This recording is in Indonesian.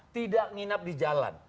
tidak nginap di jalan